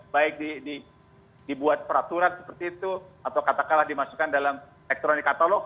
baik dibuat peraturan seperti itu atau katakanlah dimasukkan dalam elektronik katalog